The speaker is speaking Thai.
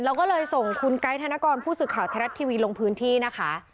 เราก็เลยส่งคุณไกด์ธนกรผู้สื่อข่าวไทยรัฐทีวีลงพื้นที่นะคะ